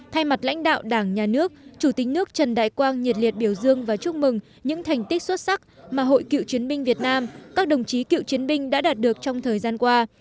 thay mặt lãnh đạo đảng nhà nước chủ tịch nước trần đại quang nhiệt liệt biểu dương và chúc mừng những thành tích xuất sắc mà hội cựu chiến binh việt nam các đồng chí cựu chiến binh đã đạt được trong thời gian qua